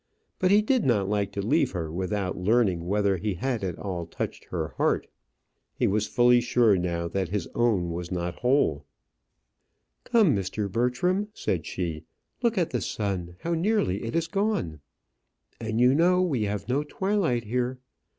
But he did not like to leave her without learning whether he had at all touched her heart. He was fully sure now that his own was not whole. "Come, Mr. Bertram," said she; "look at the sun, how nearly it is gone. And you know we have no twilight here.